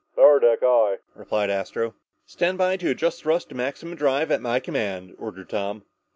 "Power deck, aye," replied Astro. "Stand by to adjust thrust to maximum drive at my command," ordered Tom.